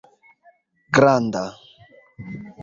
granda